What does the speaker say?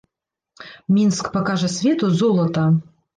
Мінск пакажа свету золата.